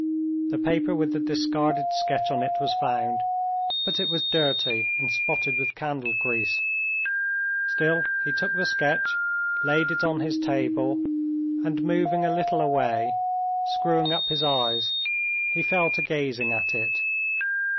The paper with the discarded sketch on it was found, but it was dirty, and spotted with candle grease. Still, he took the sketch, laid it on his table, and, moving a little away, screwing up his eyes, he fell to gazing at it.